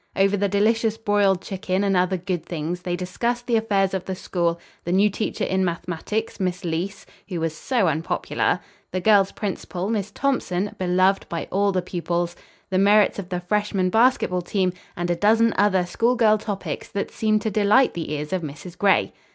Over the delicious broiled chicken and other good things they discussed the affairs of the school, the new teacher in mathematics, Miss Leece, who was so unpopular; the girls' principal, Miss Thompson, beloved by all the pupils; the merits of the Freshman Basketball Team and a dozen other schoolgirl topics that seemed to delight the ears of Mrs. Gray.